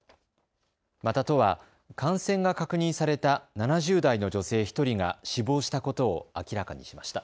また、都は感染が確認された７０代の女性１人が死亡したことを明らかにしました。